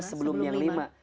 sebelum yang lima